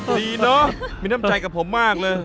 ดีเนอะมีน้ำใจกับผมมากเลย